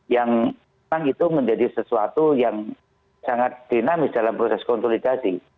yang memang itu menjadi sesuatu yang sangat dinamis dalam proses konsolidasi